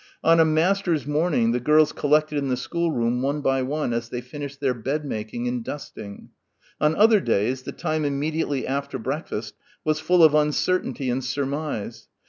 On a master's morning the girls collected in the schoolroom one by one as they finished their bed making and dusting. On other days the time immediately after breakfast was full of uncertainty and surmise.